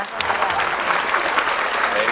เป็นอย่างไรคะ